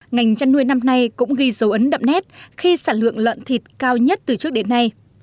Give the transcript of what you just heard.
ngành chăn nuôi năm nay cũng ghi dấu ấn đậm nét khi sản lượng lợn thịt cao nhất từ trước đến nay